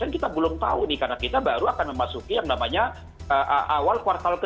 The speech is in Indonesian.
kita belum tahu nih karena kita baru akan memasuki yang namanya awal kuartal ke dua